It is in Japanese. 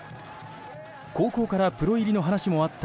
高校からプロ入りの話もあった